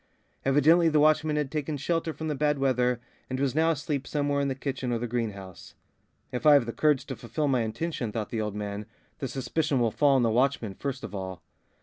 Evidently the watchman had taken shelter from the bad weather and was now asleep somewhere in the kitchen or the greenhouse. "If I have the courage to fulfil my intention," thought the old man, "the suspicion will fall on the watchman first of all."